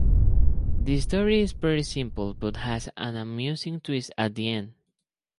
The story is pretty simple but has an amusing twist at the end.